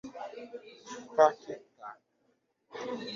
Paquetá